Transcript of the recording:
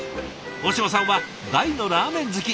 大嶋さんは大のラーメン好き。